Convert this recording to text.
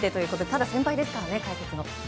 ただ先輩ですからね、解説の。